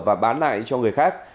và bán lại cho người khác